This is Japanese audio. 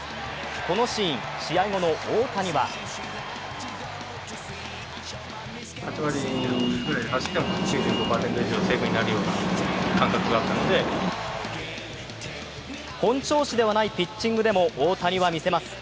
このシーン、試合後の大谷は本調子ではないピッチングでも、大谷は見せます。